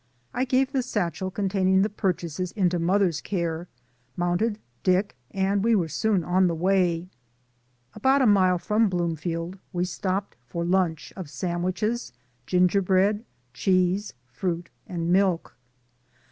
I gave the satchel containing the purchases into mother's care, mounted Dick, and we were soon on the way. About a mile from Bloomfield we stopped for lunch of sandwiches, ginger bread, cheese, fruit and milk.